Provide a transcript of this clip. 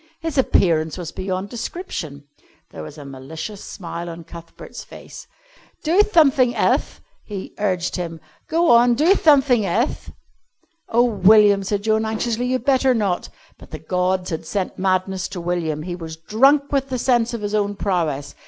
His appearance was beyond description. There was a malicious smile on Cuthbert's face. "Do thumthing elth," he urged him. "Go on, do thumthing elth." "Oh, William," said Joan anxiously, "you'd better not." But the gods had sent madness to William. He was drunk with the sense of his own prowess.